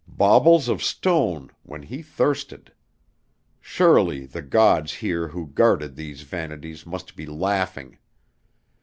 Baubles of stone when he thirsted! Surely the gods here who guarded these vanities must be laughing.